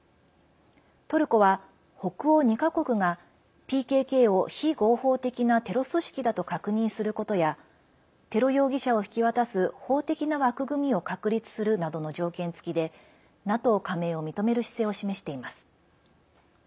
トルコは、北欧２か国がＰＫＫを非合法的なテロ組織だと確認することやテロ容疑者を引き渡す法的な枠組みを確立するなどの条件付きでＮＡＴＯ加盟を認める姿勢を示しています。